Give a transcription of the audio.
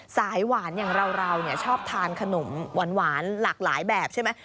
สายหวานอย่างเราชอบทานขนมหวานหลากหลายแบบใช่ไหม